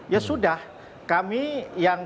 ya sudah kami yang